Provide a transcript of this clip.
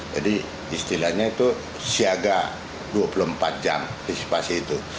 jadi istilahnya itu siaga dua puluh empat jam antisipasi itu